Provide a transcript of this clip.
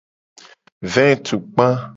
Vetukpa.